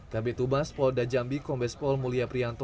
kb tubas polda jambi kombes pol mulia prianto